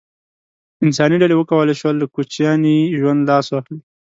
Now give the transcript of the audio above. انساني ډلې وکولای شول له کوچیاني ژوند لاس واخلي.